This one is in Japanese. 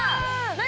何？